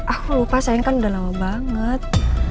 aku lupa sayang kan udah lama banget